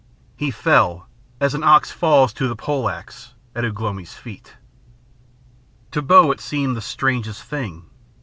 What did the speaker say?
He fell, as an ox falls to the pole axe, at Ugh lomi's feet. To Bo it seemed the strangest thing.